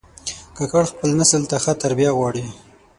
کاکړ خپل نسل ته ښه تربیه غواړي.